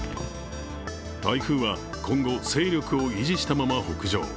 台風は今後、勢力を維持したまま北上。